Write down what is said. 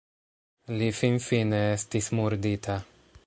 Li finfine estis murdita.